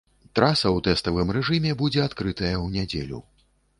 Траса ў тэставым рэжыме будзе адкрытая і ў нядзелю.